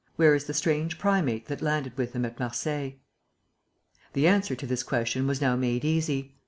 Where is the strange primate that landed with them at Marseilles?" The answer to this question was now made easy.